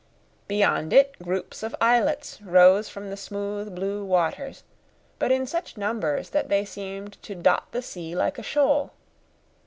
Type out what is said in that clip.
Beyond it, groups of islets rose from the smooth, blue waters, but in such numbers that they seemed to dot the sea like a shoal.